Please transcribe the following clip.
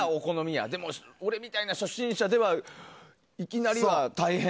でも、俺みたいな初心者はいきなりは大変。